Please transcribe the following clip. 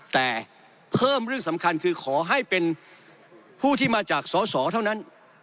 แต่เพิ่มเรื่องสำคัญคือขอให้เป็นผู้ที่มาจากสอสอเท่านั้น